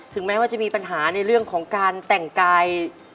แม้ว่าจะมีปัญหาในเรื่องของการแต่งกาย